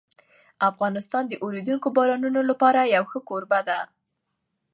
افغانستان د اورېدونکو بارانونو لپاره یو ښه کوربه دی.